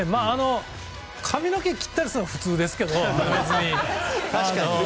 髪の毛切ったっていうのは普通ですけど、別に。